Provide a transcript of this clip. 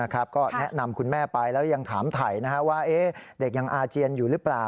ก็แนะนำคุณแม่ไปแล้วยังถามถ่ายว่าเด็กยังอาเจียนอยู่หรือเปล่า